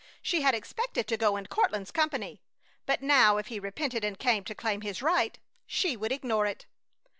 She had expected to go in Courtland's company, but now if he repented and came to claim his right she would ignore it.